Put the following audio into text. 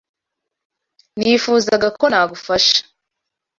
Nifuzaga ko nagufasha.